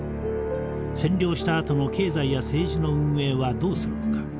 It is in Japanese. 占領したあとの経済や政治の運営はどうするのか。